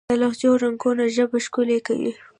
د لهجو رنګونه ژبه ښکلې کوي.